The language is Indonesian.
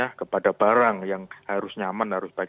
harusnya kepada barang yang harus nyaman harus baik